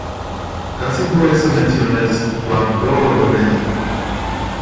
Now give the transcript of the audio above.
Dați-mi voie să menționez doar două domenii.